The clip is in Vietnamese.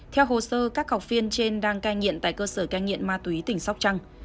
theo hồ sơ các học viên trên đang canh nhiện tại cơ sở canh nhiện ma túy tỉnh sóc trăng